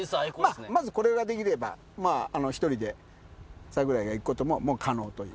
まずこれができれば１人で櫻井が行くことも可能という。